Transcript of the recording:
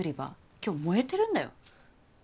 今日燃えてるんだよ。